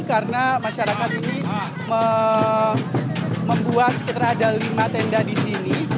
karena masyarakat ini membuat sekitar ada lima tenda di sini